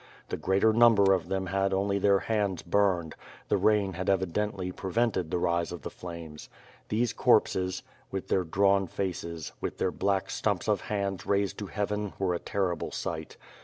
The greater number of them had only had their hands burned; the rain had evidently prevented the rise of the flames. These corpses,, hh their drawn faces, with their black stumps of hands raised to heaven were a terrible sight.